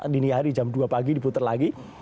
dini hari jam dua pagi diputer lagi